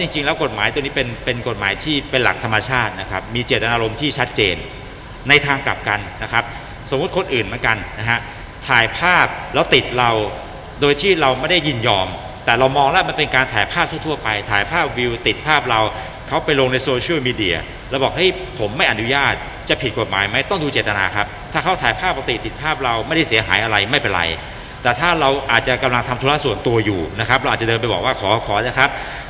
เหมือนกันนะฮะถ่ายภาพแล้วติดเราโดยที่เราไม่ได้ยินยอมแต่เรามองแล้วมันเป็นการถ่ายภาพทั่วไปถ่ายภาพวิวติดภาพเราเขาไปลงในโซเชียลมีเดียแล้วบอกให้ผมไม่อนุญาตจะผิดกฎหมายไหมต้องดูเจตนาครับถ้าเขาถ่ายภาพปกติดภาพเราไม่ได้เสียหายอะไรไม่เป็นไรแต่ถ้าเราอาจจะกำลังทำธุระส่วนตัวอยู่นะครับ